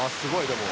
でも」